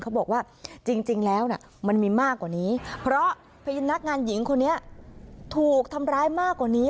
เขาบอกว่าจริงแล้วมันมีมากกว่านี้เพราะพนักงานหญิงคนนี้ถูกทำร้ายมากกว่านี้